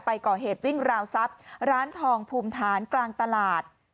ก่อเหตุวิ่งราวทรัพย์ร้านทองภูมิฐานกลางตลาด